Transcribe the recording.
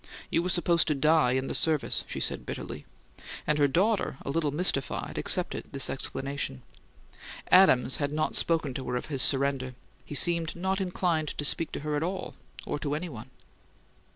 You were supposed to die in the service, she said bitterly, and her daughter, a little mystified, accepted this explanation. Adams had not spoken to her of his surrender; he seemed not inclined to speak to her at all, or to any one.